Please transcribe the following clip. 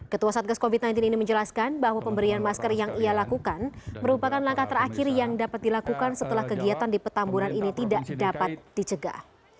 ketua satgas covid sembilan belas ini menjelaskan bahwa pemberian masker yang ia lakukan merupakan langkah terakhir yang dapat dilakukan setelah kegiatan di petamburan ini tidak dapat dicegah